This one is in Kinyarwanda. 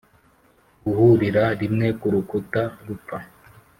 guhurira rimwe kurukuta rupfa